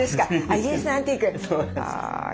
イギリスのアンティーク。